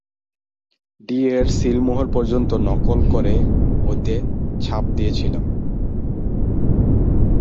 ডি-এর সিলমোহর পর্যন্ত নকল করে ওতে ছাপও দিয়েছিলাম।